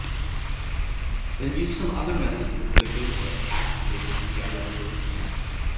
Then use some other method for clicking or "activating" the item you're looking at.